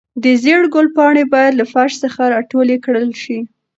د زېړ ګل پاڼې باید له فرش څخه راټولې کړل شي.